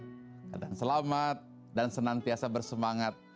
kadang selamat dan senantiasa bersemangat